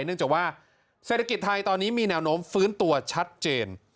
เนื่องจากว่าเศรษฐกิจไทยตอนนี้มีแนวโน้มฟื้นตัวชัดเจน